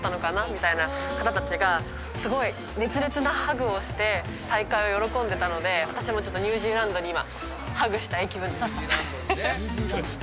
みたいな方達がすごい熱烈なハグをして再会を喜んでたので私もちょっとニュージーランドに今ハグしたい気分です